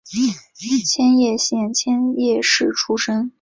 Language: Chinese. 千叶县千叶市出身。